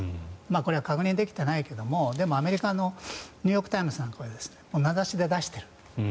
これは確認できていないけれどでも、アメリカのニューヨーク・タイムズなんかは名指しで出している。